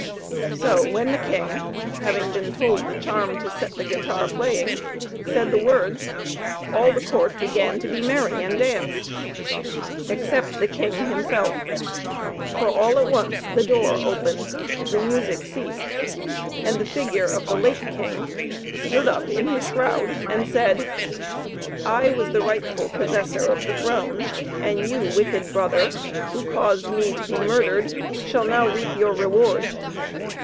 So when the king, having been told the charm to set the guitar playing, said the words, all the court began to be merry, and dance except the king himself!... For all at once the door opened, the music ceased, and the figure of the late king stood up in his shroud, and said: "I was the rightful possessor of the throne! and you, wicked brother, who caused me to be murdered, shall now reap your reward!"